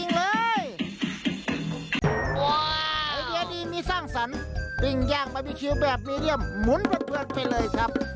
ไอเดียดีมีสร้างสรรค์ปิ้งย่างบาร์บีคิวแบบมีเดียมหมุนเพลินไปเลยครับ